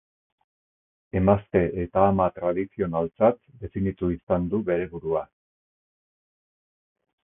Emazte eta ama tradizionaltzat definitu izan du bere burua.